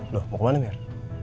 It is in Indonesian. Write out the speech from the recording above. loh mau kemana mir